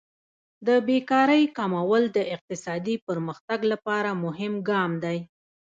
د بیکارۍ کمول د اقتصادي پرمختګ لپاره مهم ګام دی.